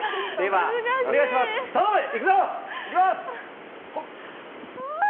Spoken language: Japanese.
頼む、いくぞ！いきます。